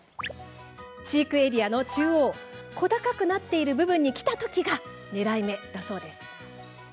飼育エリアの中央小高くなっている部分に来たときが狙い目だそうです。